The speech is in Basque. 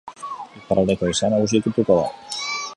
Iparraldeko haizea nagusituko da.